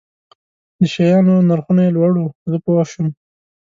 د شیانو نرخونه یې لوړ وو، زه پوه شوم.